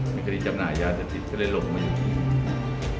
ในคณีจำหน่ายยาติดติดก็เลยหลบมาอยู่ที่นี่